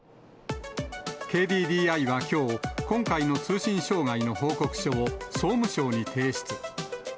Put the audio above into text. ＫＤＤＩはきょう、今回の通信障害の報告書を総務省に提出。